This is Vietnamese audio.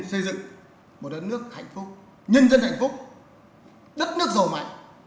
xây dựng một đất nước hạnh phúc nhân dân hạnh phúc đất nước giàu mạnh